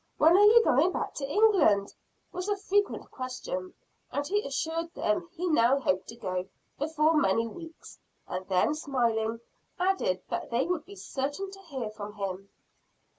"When are you going back to England?" was a frequent question; and he assured them he now hoped to go before many weeks; and then, smiling, added that they would be certain to hear from him.